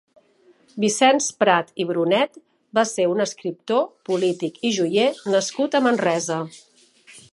Vicenç Prat i Brunet va ser un escriptor, polític i joier nascut a Manresa.